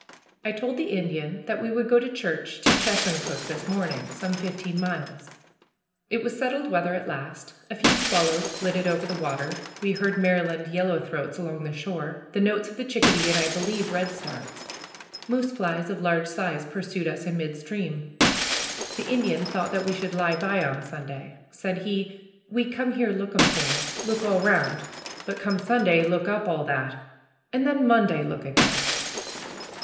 I told the Indian that we would go to church to Chesuncook this morning, some fifteen miles. It was settled weather at last. A few swallows flitted over the water, we heard Maryland yellow throats along the shore, the notes of the chickadee, and, I believe, redstarts. Moose flies of large size pursued us in midstream. The Indian thought that we should lie by on Sunday. Said he, "We come here lookum things, look all round, but come Sunday look up all that, and then Monday look again."